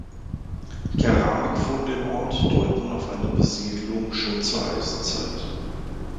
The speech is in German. Keramikfunde im Ort deuten auf eine Besiedlung schon zur Eisenzeit.